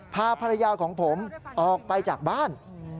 พาภรรยาของผมออกไปจากบ้าน